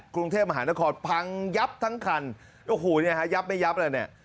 กรุงเทพมหานครพังยับทั้งคันโอ้โหเนี่ยฮะยับไม่ยับเลยเนี่ย